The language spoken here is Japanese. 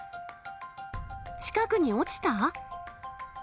近くに落ちた？